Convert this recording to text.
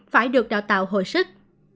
phải được đào tạo hồi sức